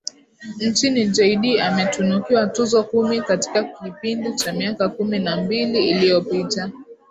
nchini Jay Dee ametunukiwa tuzo kumi katika kipindi cha miaka kumi na mbili iliyopita